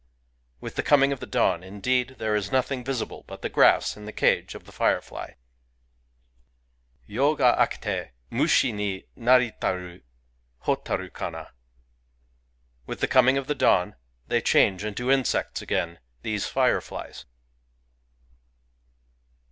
With the coining of dawn, indeed, there is nothing visi ble but grass in the cage of the firefly ! Yo ga akete, Mushi ni naritaru Hotaru kana! With the coming of the dawn, they change into insects again, — these fireflies